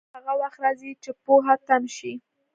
زوال هغه وخت راځي، چې پوهه تم شي.